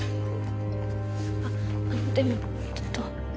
あっでもちょっと。